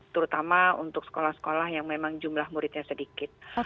terutama untuk sekolah sekolah yang memang jumlah muridnya sedikit